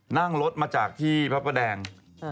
นั่งรถมาจากที่พระประแดง